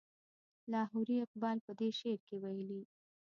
لاهوري اقبال په دې شعر کې ویلي.